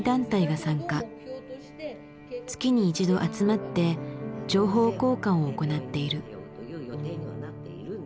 月に一度集まって情報交換を行っている。